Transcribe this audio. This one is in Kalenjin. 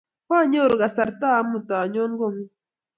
Kwanyoru kasarta amut anyon kong'ung'